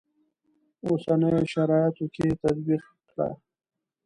اوسنیو شرایطو کې تطبیق کړو.